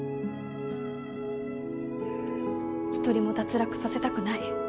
１人も脱落させたくない。